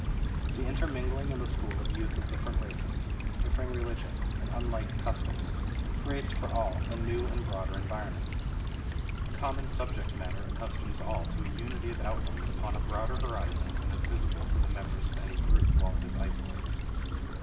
The intermingling in the school of youth of different races, differing religions, and unlike customs creates for all a new and broader environment. Common subject matter accustoms all to a unity of outlook upon a broader horizon than is visible to the members of any group while it is isolated.